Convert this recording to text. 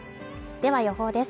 では予報です。